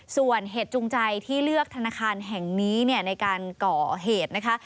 ส่วนเหตุจูงใจที่เลือกธนาคารแห่งนี้ในการก่อเหตุนะคะ